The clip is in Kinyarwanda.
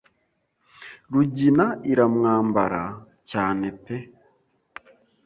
Rugina iramwambara cyane pe